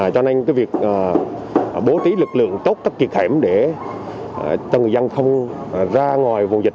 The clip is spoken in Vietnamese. cho nên việc bố trí lực lượng tốt các kiệt hẻm để cho người dân không ra ngoài vùng dịch